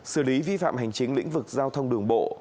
xử lý vi phạm hành chính lĩnh vực giao thông đường bộ